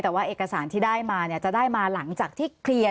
แต่ว่าเอกสารที่ได้มาเนี่ยจะได้มาหลังจากที่เคลียร์